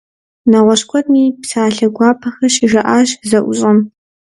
Нэгъуэщӏ куэдми псалъэ гуапэхэр щыжаӏащ зэӏущӏэм.